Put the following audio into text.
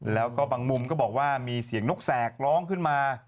แล้วก็บางมุมก็บอกว่ามีเสียงนกแสกร้องขึ้นมา